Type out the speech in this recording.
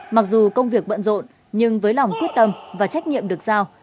mặc dù công việc bận rộn nhưng với lòng quyết tâm và trách nhiệm được giao